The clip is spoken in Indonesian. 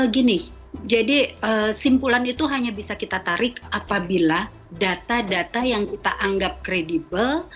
gini jadi simpulan itu hanya bisa kita tarik apabila data data yang kita anggap kredibel